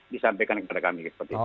disampaikan kepada kami seperti itu